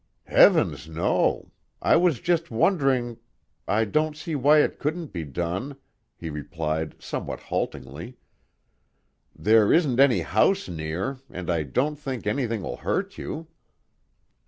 "Heavens, no. I was just wondering I don't see why it couldn't be done," he replied somewhat haltingly. "There isn't any house near, and I don't think anything will hurt you."